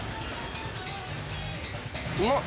うまっ！